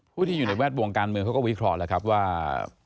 ผู้ที่อยู่ในแวดวงการเมืองเขาก็วิเคราะห์แล้วครับว่า